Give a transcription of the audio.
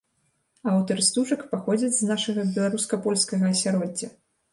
Аўтары стужак паходзяць з нашага беларуска-польскага асяроддзя.